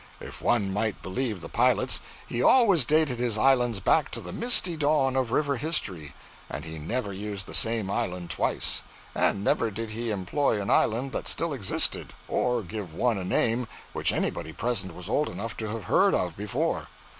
If one might believe the pilots, he always dated his islands back to the misty dawn of river history; and he never used the same island twice; and never did he employ an island that still existed, or give one a name which anybody present was old enough to have heard of before.